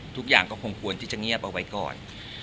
ทุกอย่างก็คงควรที่จะเงียบเอาไว้ก่อน